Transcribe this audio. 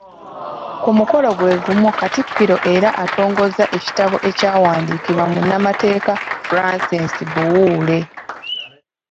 Ku mukolo gwegumu Katikkiro era atongozza ekitabo ekyawandiikibwa munnamateeka Francis Buwuule.